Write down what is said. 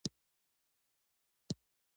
کاکتوس په دښته کې ژوند کوي